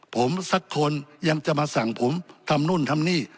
ผมสักคนยังจะมาสั่งผมทำนู่นทำนี่